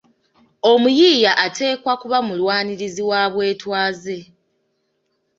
Omuyiiya ateekwa kuba mulwanirizi wa bwetwaze.